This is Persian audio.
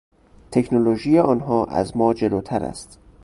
تکنولوژی آنها از ما جلوتر است.